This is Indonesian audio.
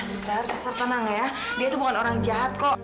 suster tenang ya dia itu bukan orang jahat kok